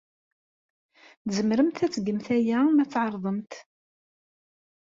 Tzemremt ad tgemt aya ma tɛerḍemt.